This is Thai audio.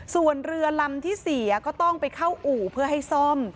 ส่วนเรือลำที่เสียก็ต้องไปเข้าอู่เพื่อให้ซ่อม